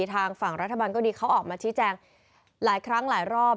ทางฝั่งรัฐบาลก็ดีเขาออกมาชี้แจงหลายครั้งหลายรอบ